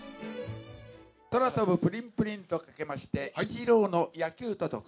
空飛ぶプリンプリンとかけまして、イチローの野球と解く。